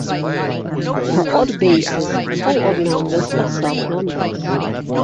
For odd bases, all odd numbers are self numbers.